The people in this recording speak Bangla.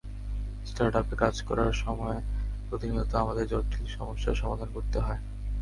স্টার্টআপে কাজ করার সময় প্রতিনিয়ত আমাদের জটিল সমস্যার সমাধান করতে হয়।